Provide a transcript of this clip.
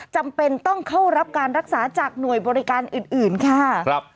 จำเป็นต้องเข้ารับการรักษาจากหน่วยบริการอื่นค่ะ